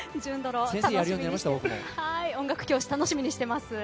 音楽教師楽しみにしています。